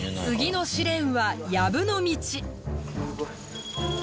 次の試練はやぶの道。